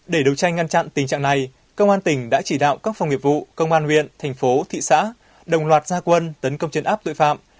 để đấu tranh ngăn chặn tình trạng này công an tỉnh đã chỉ đạo các phòng nghiệp vụ công an huyện thành phố thị xã đồng loạt gia quân tấn công chấn áp tội phạm